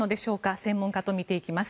専門家と見ていきます。